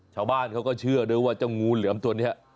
ชาวบ้านเขาก็เชื่อด้วยว่าเจ้างูเหลือมตัวนี้